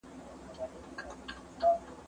زه هره ورځ کتابتون ته راځم.